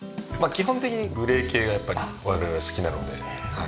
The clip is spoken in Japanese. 基本的にグレー系がやっぱり我々は好きなので。